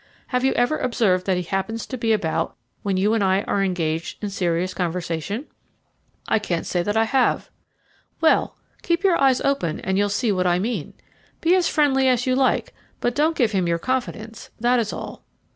Have you ever observed that he happens to be about when you and I are engaged in serious conversation?" "I can't say that I have." "Well, keep your eyes open and you'll see what I mean. Be as friendly as you like, but don't give him your confidence that is all."